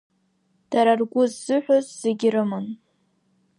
Дара ргәы ззыҳәоз зегьы рыман.